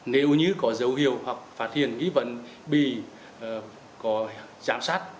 nếu như có dấu hiệu hoặc phát hiện ý vấn bị có giám sát